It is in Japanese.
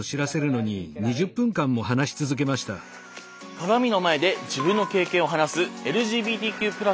鏡の前で自分の経験を話すＬＧＢＴＱ＋の当事者たち。